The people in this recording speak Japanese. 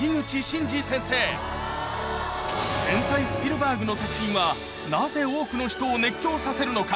天才スピルバーグの作品はなぜ多くの人を熱狂させるのか？